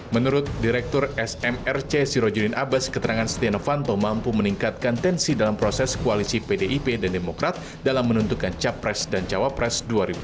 menurut direktur smrc sirojudin abbas keterangan setia novanto mampu meningkatkan tensi dalam proses koalisi pdip dan demokrat dalam menentukan capres dan cawapres dua ribu dua puluh